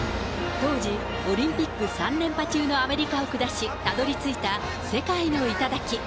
当時、オリンピック３連覇中のアメリカを下し、たどりついた世界の頂。